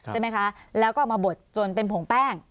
ใช่ไหมคะแล้วก็เอามาบดจนเป็นผงแป้ง